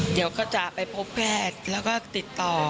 เดี๋ยวก็จะไปพบแพทย์แล้วก็ติดต่อ